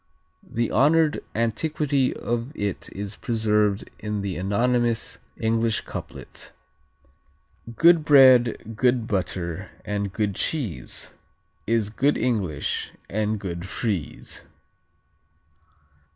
The honored antiquity of it is preserved in the anonymous English couplet: Good bread, good butter and good cheese Is good English and good Friese.